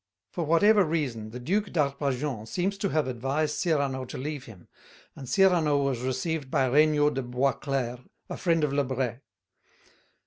For whatever reason, the Duc d'Arpajon seems to have advised Cyrano to leave him, and Cyrano was received by Regnault des Bois Clairs, a friend of Lebret.